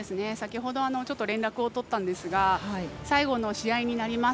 先ほど連絡を取ったんですが最後の試合になります